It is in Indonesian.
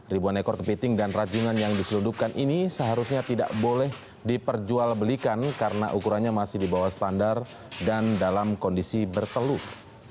ribuan ekor kepiting dan rajungan yang diseludupkan ini seharusnya tidak boleh diperjualbelikan karena ukurannya masih di bawah standar dan dalam kondisi berteluk